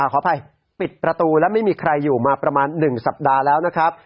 ขออภัยปิดประตูและไม่มีใครอยู่มาประมาณ๑สัปดาห์แล้วนะครับ